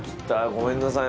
ごめんなさい。